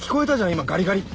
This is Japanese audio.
今「ガリガリ」って。